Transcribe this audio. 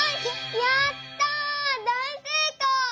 やっただいせいこう！